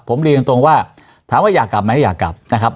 ผมเรียนตรงว่าถามว่าอยากกลับไหมอยากกลับนะครับ